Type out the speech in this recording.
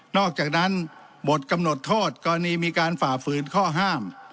อกจากนั้นบทกำหนดโทษกรณีมีการฝ่าฝืนข้อห้าม